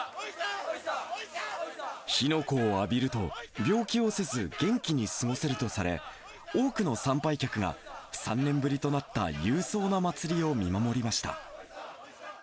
火の粉を浴びると、病気をせず元気に過ごせるとされ、多くの参拝客が３年ぶりとなった勇壮な祭りを見守りました。